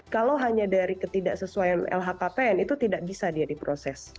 kalau hanya dari ketidaksesuaian lhkpn itu tidak bisa dia diproses